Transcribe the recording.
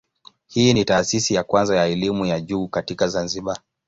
Hii ni taasisi ya kwanza ya elimu ya juu katika Zanzibar.